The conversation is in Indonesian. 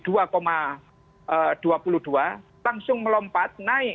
harga komoditas itu sudah mulai naik